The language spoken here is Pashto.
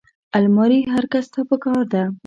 الماري هر کس ته پکار ده